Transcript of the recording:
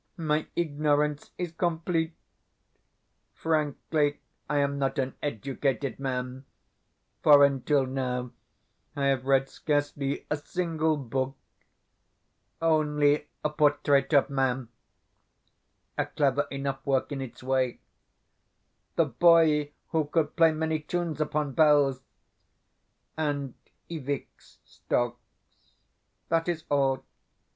My ignorance is complete. Frankly, I am not an educated man, for until now I have read scarcely a single book only "A Portrait of Man" (a clever enough work in its way), "The Boy Who Could Play Many Tunes Upon Bells", and "Ivik's Storks". That is all.